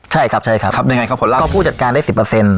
ใช่ครับใช่ครับครับยังไงครับผลล่าก็ผู้จัดการได้สิบเปอร์เซ็นต